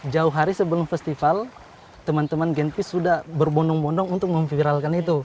jauh hari sebelum festival teman teman genpis sudah berbondong bondong untuk memviralkan itu